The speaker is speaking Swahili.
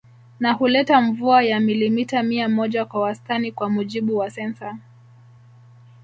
Na huleta mvua ya milimita mia moja kwa wastani kwa mujibu wa sensa